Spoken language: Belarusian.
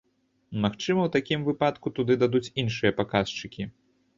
Магчыма, у такім выпадку туды дададуць іншыя паказчыкі?